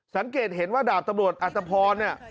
สังเกตเห็นว่าดาบตำรวจอัตภพรเนี่ย